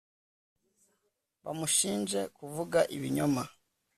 bamushinje kuvuga ibinyoma